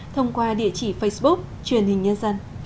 thông qua địa chỉ facebook truyền hình nhân dân